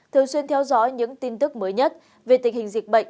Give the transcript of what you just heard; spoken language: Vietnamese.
thường xuyên theo dõi những tin tức mới nhất về tình hình dịch bệnh